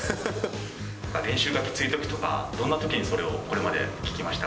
練習がきついときとか、どんなときにそれをこれまで聞きました？